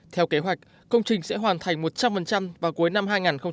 theo kế hoạch công trình sẽ hoàn thành một trăm linh vào cuối năm hai nghìn hai mươi